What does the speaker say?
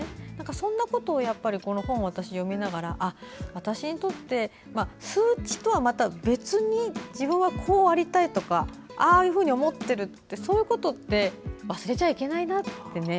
そんなことをこの本を読みながら私にとって数値とは別に自分がこうありたいとかああいうふうに思っているって忘れちゃいけないなって。